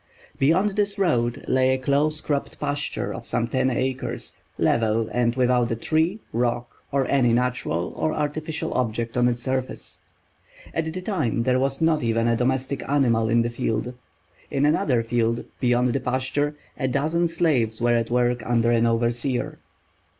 Beyond this road lay a close cropped pasture of some ten acres, level and without a tree, rock, or any natural or artificial object on its surface. At the time there was not even a domestic animal in the field. In another field, beyond the pasture, a dozen slaves were at work under an overseer.